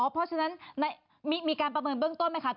เพราะฉะนั้นมีการประเมินเบื้องต้นไหมคะ